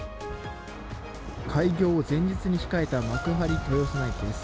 開業を前日に控えた幕張豊砂駅です。